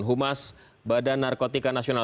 humas badan narkotika nasional